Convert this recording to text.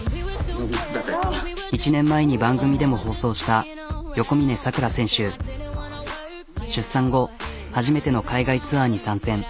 １年前に番組でも放送した出産後初めての海外ツアーに参戦。